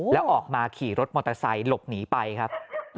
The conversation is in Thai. แล้วออกมาขี่รถมอเตอร์ไซค์หลบหนีไปครับ